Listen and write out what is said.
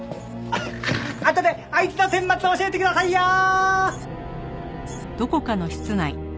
あとであいつの顛末教えてくださいよー！